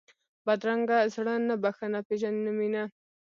بدرنګه زړه نه بښنه پېژني نه مینه